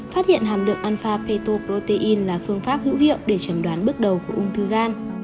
phát hiện hàm được alpha fetoprotein là phương pháp hữu hiệu để chẩn đoán bước đầu của ung thư gan